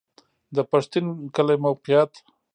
د پښتین کلی موقعیت